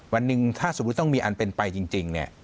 วันหนึ่งถ้าสมมุติต้องมีอันเป็นไปจริงเนี่ย